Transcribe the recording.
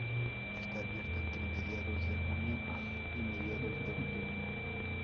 Está abierto entre mediados de junio y mediados de octubre.